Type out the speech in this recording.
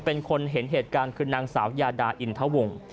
เป็นคนเห็นเหตุการณ์คือนางสาวยาดาอินทะวง